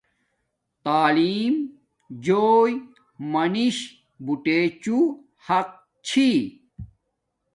تعلیم جوݵ منش بوٹے چوں حق چھی